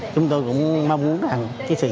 chúng tôi cũng mong muốn